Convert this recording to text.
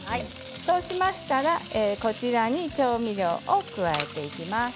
そうしましたら調味料を加えていきます。